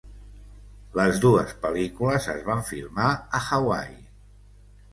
Les dues pel·lícules es van filmar a Hawaii.